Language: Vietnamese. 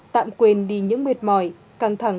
tạm quên đi những mệt mỏi căng thẳng